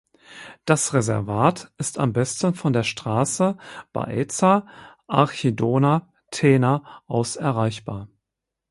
Das Reservat ist am besten von der Straße Baeza–Archidona–Tena aus erreichbar.